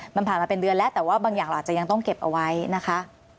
มันผ่านมาเป็นเดือนแล้วแต่ว่าบางอย่างเราอาจจะยังต้องเก็บเอาไว้นะคะ